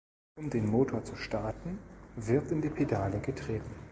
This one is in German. Um den Motor zu starten, wird in die Pedale getreten.